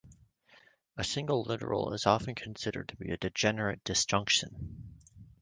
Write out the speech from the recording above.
A single literal is often considered to be a degenerate disjunction.